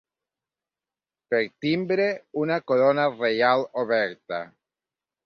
Per timbre, una corona reial oberta.